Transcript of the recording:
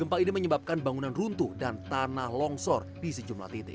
gempa ini menyebabkan bangunan runtuh dan tanah longsor di sejumlah titik